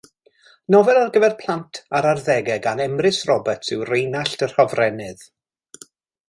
Nofel ar gyfer plant a'r arddegau gan Emrys Roberts yw Rheinallt yr Hofrennydd.